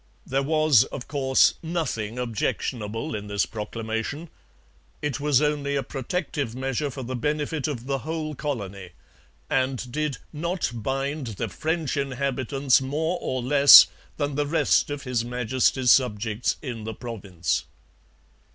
There was, of course, nothing objectionable in this proclamation. It was only a protective measure for the benefit of the whole colony, and did 'not bind the French inhabitants more or less than the rest of His Majesty's subjects in the Province.'